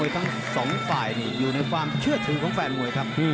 ทั้งสองฝ่ายอยู่ในความเชื่อถือของแฟนมวยครับ